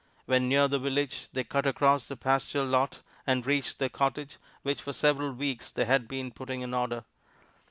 When near the village they cut across the pasture lot and reached their cottage, which for several weeks they had been putting in order.